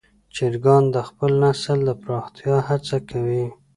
چرګان د خپل نسل د پراختیا هڅه کوي.